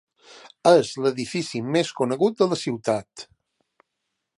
És l'edifici més conegut de la ciutat.